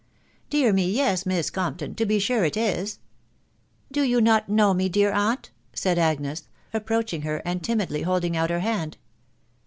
Dear me, yes, Miss Compton, to be sure it is." Do you not know me, dear aunt ?" said Agnes, approach ing her, and timidly holding out her hand.